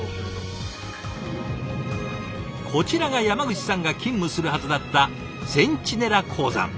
こちらが山口さんが勤務するはずだったセンチネラ鉱山。